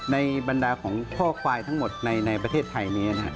ในบรรดาของข้อควายทั้งหมดในประเทศไทยนี้